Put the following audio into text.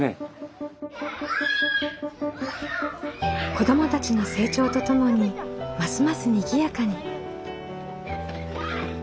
子どもたちの成長とともにますますにぎやかに。